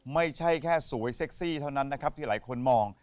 ไม่ใช่แค่สวยเซ็กซี่เท่านั้นนะครับที่หลายคนมอง